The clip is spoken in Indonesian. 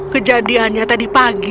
kejadiannya tadi pagi